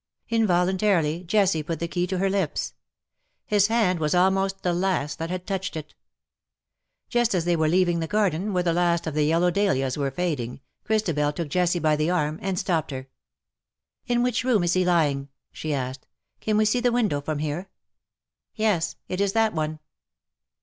'^ Involuntarily, Jessie put the key to her lips. His hand was almost the last that had touched it. Just as they were leaving the garden, where the last of the yellow dahlias were fading, Christabel took Jessie by the arm, and stopped her. " In which room is he lying T' she asked. '^ Can we see the window from here T' " Yes, it is that one."